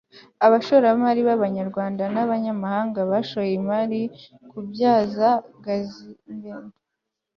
abashoramari b'abanyarwanda n'abanyamahanga bashoye imari mu kubyaza gazi metani amashanyarazi